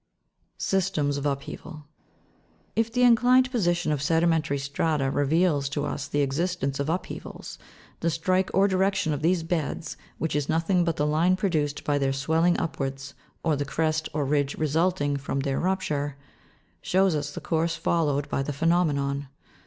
Systems of upheaval. If the inclined position of sedimentary strata reveals to us the existence of upheavals, the strike or direction of these beds, which is nothing but the line produced by their swelling upwards or the crest or ridge resulting from their rupture, shows us the course followed by the phe nomenon.